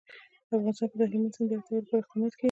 افغانستان کې د هلمند سیند د اړتیاوو لپاره اقدامات کېږي.